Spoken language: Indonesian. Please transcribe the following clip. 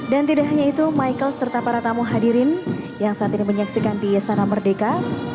dan tidak hanya itu michael serta para tamu hadirin yang saat ini menyaksikan di istana merdeka